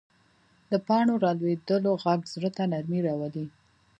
د پاڼو رالوېدو غږ زړه ته نرمي راولي